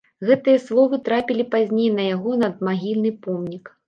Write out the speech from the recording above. Гэтыя словы трапілі пазней на яго надмагільны помнік.